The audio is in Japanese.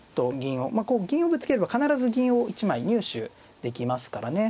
こう銀をぶつければ必ず銀を１枚入手できますからね。